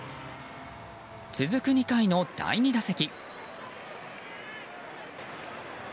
続く２回の第２打席。